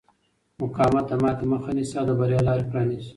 مقاومت د ماتې مخه نیسي او د بریا لارې پرانیزي.